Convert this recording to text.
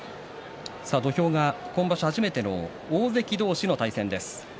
土俵が今場所初めての大関同士の対戦です。